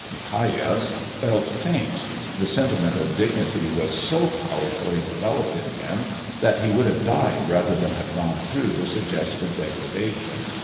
Migajas felt faint. The sentiment of dignity was so powerfully developed in him that he would have died rather than have gone through the suggested degradation.